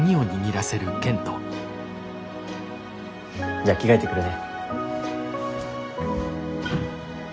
じゃあ着替えてくるね。